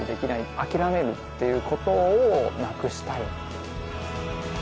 諦めるっていうことをなくしたい。